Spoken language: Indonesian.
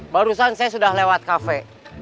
barusan saya sudah lewat kafe